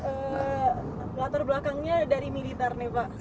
bapak kan latar belakangnya dari militer nih pak